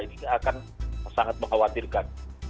ini akan sangat mengkhawatirkan